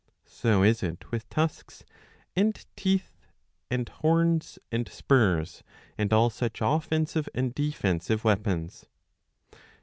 So is it with tusks, and teeth, and horns, and spurs, and all such offensive and defensive weapons.